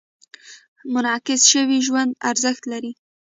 منعکس شوي ژوند ارزښت لري.